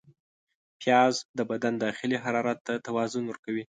پیاز د بدن داخلي حرارت ته توازن ورکوي